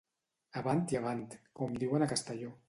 Avant i avant, com diuen a Castelló.